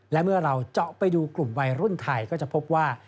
และเมื่อเราเจาะไปดูกลุ่มวัยรุ่นไทยก็จะพบว่า